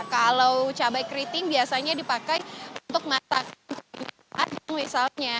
kalau cabai keriting biasanya dipakai untuk masakan misalnya